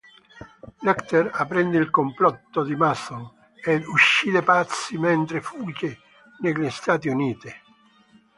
Lecter apprende il complotto di Mason, ed uccide Pazzi mentre fugge negli Stati Uniti.